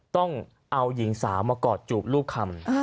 ต้องเอาหญิงสาวมากอดจูบรูปคำ